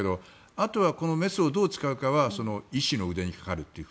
あとは、メスをどう使うかは医師の腕にかかっている。